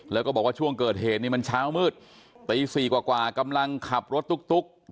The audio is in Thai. แล้วก็บอกว่าช่วงเกิดเหตุนี้มันเช้ามืดตี๔กว่ากำลังขับรถตุ๊ก